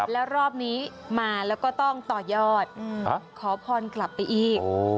แล้วรอบนี้มาแล้วก็ต้องต่อยอดขอพรกลับไปอีก